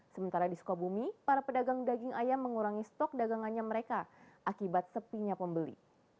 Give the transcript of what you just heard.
sementara di sukabumi para pedagang daging ayam mengurangi stok dagangannya mereka akibat sepinya pembeli